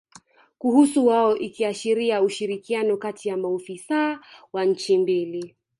kuhusu wao ikiashiria ushirikiano kati ya maofisa wa nchi mbili